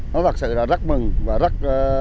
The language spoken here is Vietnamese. nó thật sự là rất mừng và rất